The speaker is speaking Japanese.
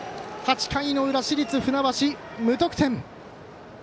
８回の裏、市立船橋、無得点。